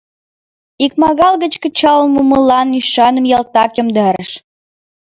Икмагал гыч кычал мумылан ӱшаным ялтак йомдарыш.